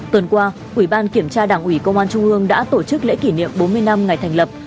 tuần qua ủy ban kiểm tra đảng ủy công an trung ương đã tổ chức lễ kỷ niệm bốn mươi năm ngày thành lập